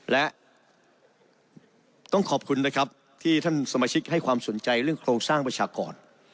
และต้องขอบคุณนะครับที่ท่านสมาชิกให้ความสนใจเรื่องโครงสร้างประชากร